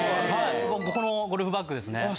このゴルフバッグですね。